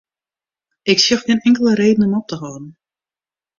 Ik sjoch gjin inkelde reden om op te hâlden.